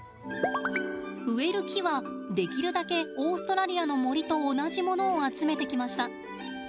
植える木はできるだけオーストラリアの森と同じものを集めてきました。